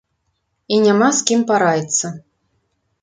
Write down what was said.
І няма з кім параіцца.